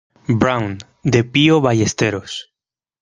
Brown", de Pío Ballesteros.